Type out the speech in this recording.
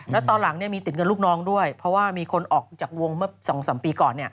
แล้วตอนหลังมีติดเงินลูกน้องด้วยเพราะว่ามีคนออกจากวงเมื่อ๒๓ปีก่อน